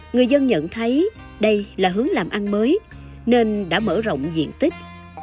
người dân nhận thấy đây là hướng làm ăn mới nên đã mở rộng diện tích